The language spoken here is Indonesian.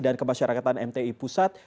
dan kemasyarakatan mti pusat